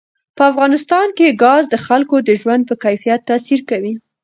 په افغانستان کې ګاز د خلکو د ژوند په کیفیت تاثیر کوي.